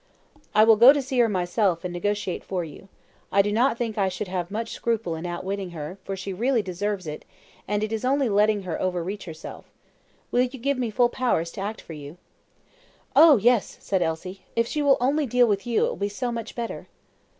"I will go to see her myself, and negotiate for you. I do not think I should have much scruple in outwitting her, for she really deserves it, and it is only letting her over reach herself. Will you give me full powers to act for you?" "Oh, yes," said Elsie; "if she will only deal with you it will be so much better."